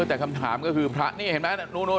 ไว้แต่คำถามก็ถึงพระนี้ประพรณหนูพระนะฮะกี่มอเตอร์ไซส์ไปนู้น